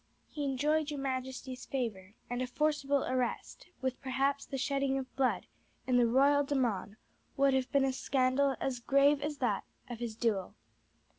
He enjoyed your majesty's favour, and a forcible arrest, with perhaps the shedding of blood, in the royal demesne would have been a scandal as grave as that of this duel."